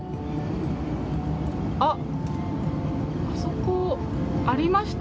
あそこ、ありました。